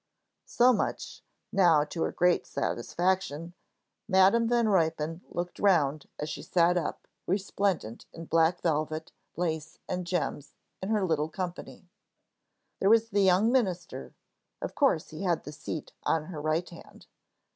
So now, much to her great satisfaction, Madam Van Ruypen looked around, as she sat up, resplendent in black velvet, lace, and gems, in her little company. There was the young minister of course he had the seat on her right hand.